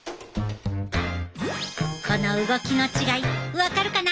この動きの違い分かるかな？